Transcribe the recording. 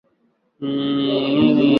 Mungu mwenye nguvu.